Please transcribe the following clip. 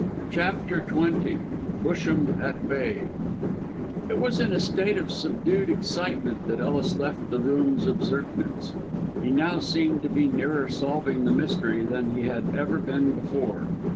CHAPTER XX BUSHAM AT BAY It was in a state of subdued excitement that Ellis left the rooms of Zirknitz. He now seemed to be nearer solving the mystery than he had ever been before.